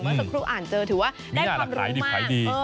สักครู่อ่านเจอถือว่าได้ความรู้มาก